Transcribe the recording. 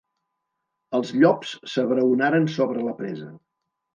Els llops s'abraonaren sobre la presa.